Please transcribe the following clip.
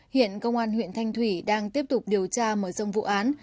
hiện công an huyện thanh thủy đang tiếp tục điều tra mở rộng vụ án